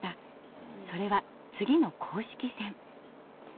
それは次の公式戦。